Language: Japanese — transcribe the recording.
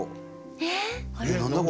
えっ？